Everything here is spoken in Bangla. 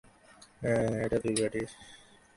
এটা তুই পাঠিয়েছিস।